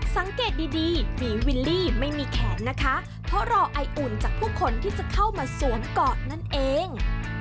สังเกตดีดีฝีวิลลี่ไม่มีแขนนะคะเพราะรอไออุ่นจากผู้คนที่จะเข้ามาสวมเกาะนั่นเอง